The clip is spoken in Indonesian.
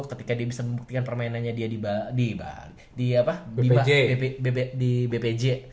ketika dia bisa membuktikan permainannya dia di bpj